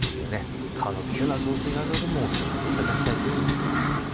川の増水などにもお気をつけいただきたいと思います。